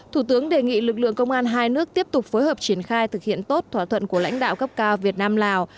thủ tướng đề nghị lực lượng công an hai nước tiếp tục phối hợp triển khai thực hiện tốt thỏa thuận của lãnh đạo cấp cao việt nam lào